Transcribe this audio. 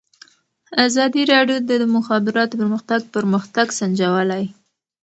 ازادي راډیو د د مخابراتو پرمختګ پرمختګ سنجولی.